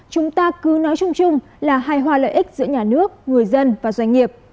chúng ta cứ nói chung chung là hài hòa lợi ích giữa nhà nước người dân và doanh nghiệp